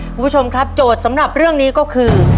คุณผู้ชมครับโจทย์สำหรับเรื่องนี้ก็คือ